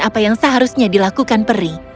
apa yang seharusnya dilakukan peri